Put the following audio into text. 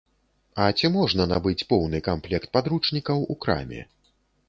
А ці можна набыць поўны камплект падручнікаў у краме?